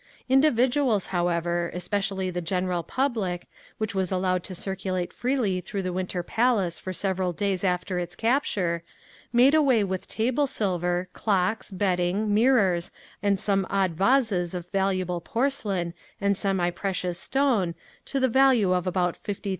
Individuals, however, especially the general public, which was allowed to circulate freely through the Winter Palace for several days after its capture, made away with table silver, clocks, bedding, mirrors and some odd vases of valuable porcelain and semi precious stone, to the value of about $50,000.